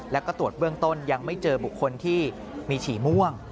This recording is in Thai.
แล้วก็ตรวจเบื้องต้นยังไม่เจอบุคคลที่มีฉี่ม่วง